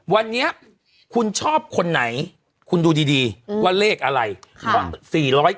วันนี้คุณชอบคนไหนคุณดูดีว่าเลขอะไร